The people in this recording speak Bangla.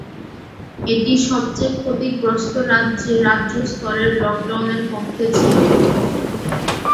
এটি সবচেয়ে ক্ষতিগ্রস্ত রাজ্যে রাজ্য-স্তরের লকডাউনের পক্ষে ছিল।